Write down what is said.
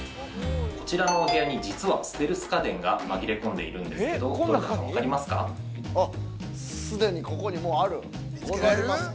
こちらのお部屋に実はステルス家電が紛れ込んでいるんですけどどれだか分かりますか。